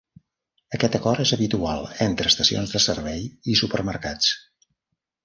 Aquest acord és habitual entre estacions de servei i supermercats.